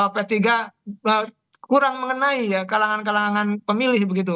p tiga kurang mengenai ya kalangan kalangan pemilih begitu